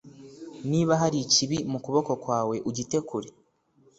Niba hari ikibi mu kuboko kwawe ugite kure